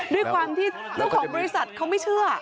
ด้วยความที่ถ้าบริศัทธิ์เขาไม่เชื่อ